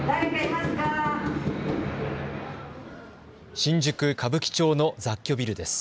新宿歌舞伎町の雑居ビルです。